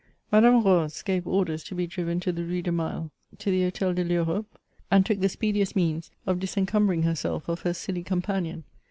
Madame Rose gave orders to be driven to the Rue de Mali, to the Hotel de TEurope, and took the speediest means of disencumbering herself of her silly companion.